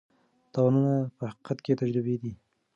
تاوانونه په حقیقت کې تجربې دي.